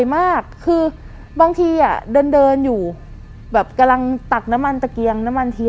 บ่อยมากคือบางทีเดินอยู่กำลังตักน้ำมันดั้งเทียง